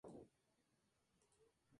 Era escribano de Anserma.